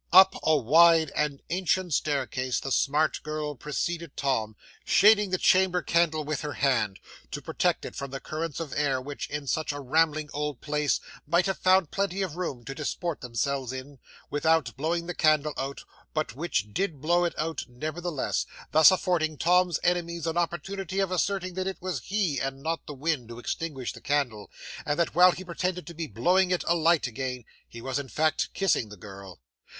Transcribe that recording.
'Up a wide and ancient staircase the smart girl preceded Tom, shading the chamber candle with her hand, to protect it from the currents of air which in such a rambling old place might have found plenty of room to disport themselves in, without blowing the candle out, but which did blow it out nevertheless thus affording Tom's enemies an opportunity of asserting that it was he, and not the wind, who extinguished the candle, and that while he pretended to be blowing it alight again, he was in fact kissing the girl.